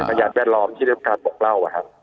พยานแวดล้อมที่เริ่มการปกเล่าว่ะครับ